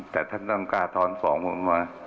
แต่ท่านต้องกล้าถอนฟองผม